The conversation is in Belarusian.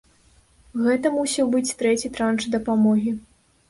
Гэта мусіў быць трэці транш дапамогі.